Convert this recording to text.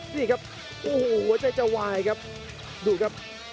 นี่ครับโอ้โหหัวใจจะไหวดูครับ